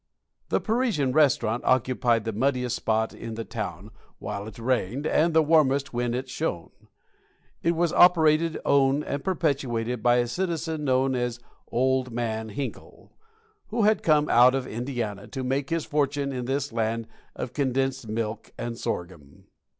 The Parisian Restaurant occupied the muddiest spot in the town while it rained, and the warmest when it shone. It was operated, owned, and perpetrated by a citizen known as Old Man Hinkle, who had come out of Indiana to make his fortune in this land of condensed milk and sorghum.